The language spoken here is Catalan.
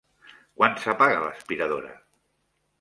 Quan s'apaga l'aspiradora?